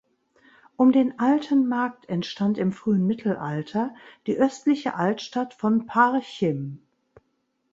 Um den Alten Markt entstand im frühen Mittelalter die östliche Altstadt von Parchim.